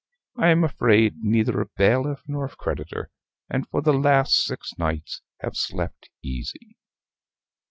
I am afraid neither of bailiff nor of creditor: and for the last six nights have slept easy."